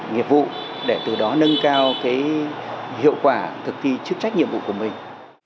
nghiệp vụ để từ đó nâng cao hiệu quả thực thi chức trách nhiệm vụ của mình